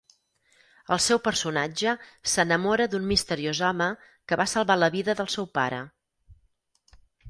El seu personatge s'enamora d’un misteriós home que va salvar la vida del seu pare.